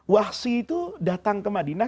wahsyi itu datang ke madinah